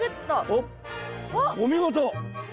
おっお見事！